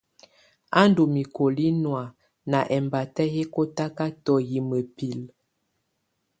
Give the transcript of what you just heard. Á ndù mikoli nɔ̀á na ɛmbatɛ yɛ kɔtakatɔ yɛ mǝpilǝ.